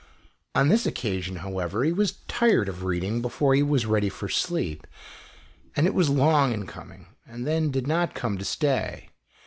On this occasion, however, he was tired of reading before he was ready for sleep; it was long in coming, and then did not come to stay.